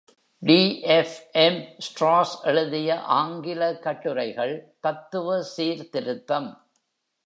D F M Strauss எழுதிய ஆங்கில கட்டுரைகள், "தத்துவ சீர்திருத்தம்"